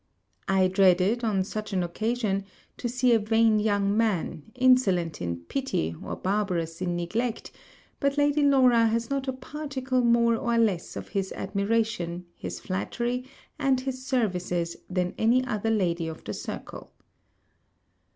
I dreaded, on such an occasion, to see a vain young man, insolent in pity, or barbarous in neglect; but Lady Laura has not a particle more or less of his admiration, his flattery, and his services than any other lady of the circle.